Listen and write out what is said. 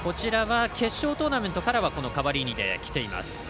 決勝トーナメントからはカバリーニできています。